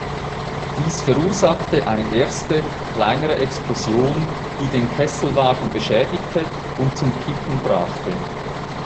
Dies verursachte eine erste, kleinere Explosion, die den Kesselwagen beschädigte und zum Kippen brachte.